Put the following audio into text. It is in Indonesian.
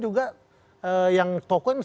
juga ee yang tokoh yang